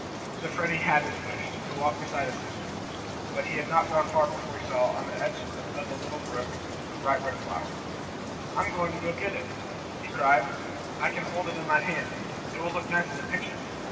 So Freddie had his wish, to walk beside his sister. But he had not gone far before he saw, on the edge of a little brook, a bright red flower. "I'm going to get it!" he cried. "I can hold it in my hand. It will look nice in the picture."